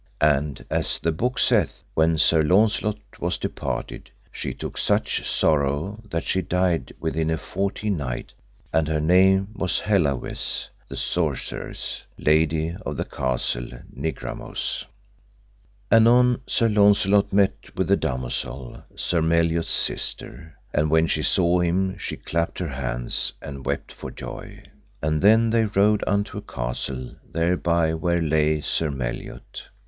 And as the book saith, when Sir Launcelot was departed she took such sorrow that she died within a fourteen night, and her name was Hellawes the sorceress, Lady of the Castle Nigramous. Anon Sir Launcelot met with the damosel, Sir Meliot's sister. And when she saw him she clapped her hands, and wept for joy. And then they rode unto a castle thereby where lay Sir Meliot.